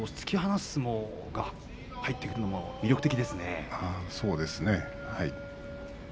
突き放す相撲も出ているのも魅力的ですね。